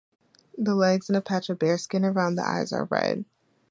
The legs and a patch of bare skin around the eye are red.